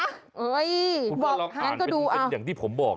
บอกแฮนก็ดูเอาคุณก็ลองอ่านเป็นอย่างที่ผมบอก